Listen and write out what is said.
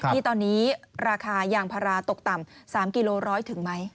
ที่ตอนนี้ราคายางพาราตกต่ำ๓กิโลร้อยถึงไหม